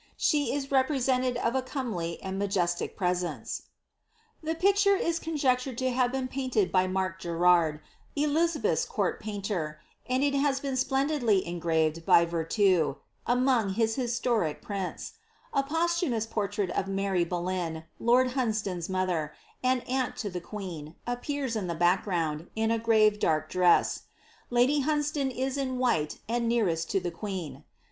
She is represented of a comely and majestic presence. The picture is conjectured to have been painted by Mark Gcrrard, Elisabeth's court painter, and it has been splendidly engraved by Ver tue, among his historic prints ; a posthumous portrait of Mary Boleyn, lord Huncdon's mother, and aunt to the queen, appears in the back ground, in a grave dark dress ; lady Hunsdon is in white, and nearest to the queen.